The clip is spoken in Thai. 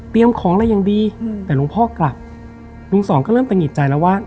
เตรียมของแล้วยังดีแต่ลุงพ่อกลับลุงสองก็เริ่มตะงิดใจแล้วว่า